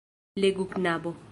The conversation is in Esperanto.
Legu, knabo.